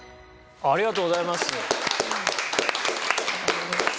ありがとうございます。